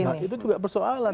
nah itu juga persoalan